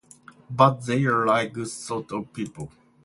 But they are a right good sort of people.